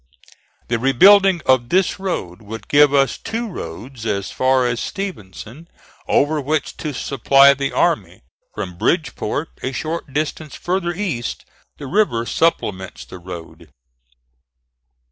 The rebuilding of this road would give us two roads as far as Stevenson over which to supply the army. From Bridgeport, a short distance farther east, the river supplements the road.